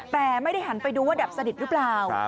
แต่ไม่ได้หันไปดูว่าดับสนิทหรือเปล่า